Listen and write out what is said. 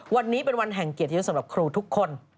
วันนี้เป็นวันแห่งเกียรติยศสำหรับครูทุกคน